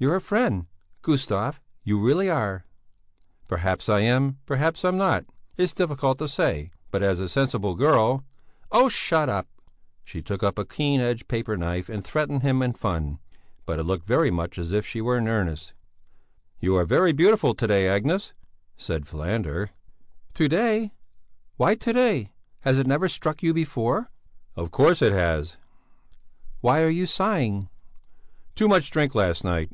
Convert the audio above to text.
"You're a friend, Gustav, you really are!" "Perhaps I am, perhaps I'm not. It's difficult to say. But as a sensible girl...." "Oh! shut up!" She took up a keen edged paper knife and threatened him in fun, but it looked very much as if she were in earnest. "You are very beautiful to day, Agnes," said Falander. "To day? Why to day? Has it never struck you before?" "Of course it has!" "Why are you sighing?" "Too much drink last night!"